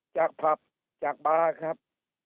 จากผับจากบาร์ครับ